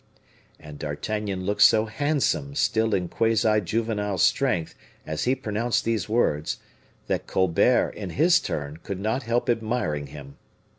And D'Artagnan looked so handsome still in quasi juvenile strength as he pronounced these words, that Colbert, in his turn, could not help admiring him.